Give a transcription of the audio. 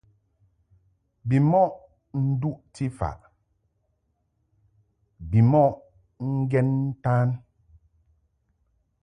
Bimɔʼ nduʼti faʼ bimɔʼ ŋgen ntan.